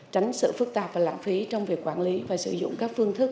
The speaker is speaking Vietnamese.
tránh sự phức tạp và lãng phí trong việc quản lý và sử dụng các phương thức